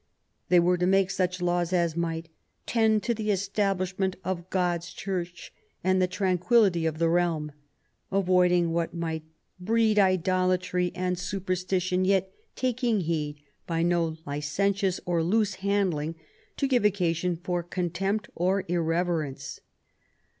They were to make such laws as might tend to the establish ment of God's Church and the tranquillity of the realm," avoiding what might breed idolatry and superstition," yet taking heed by no licentious or loose handling to give occasion for contempt or irreverence